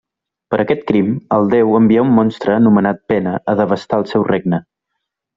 Per aquest crim, el déu envià un monstre anomenat Pena a devastar el seu regne.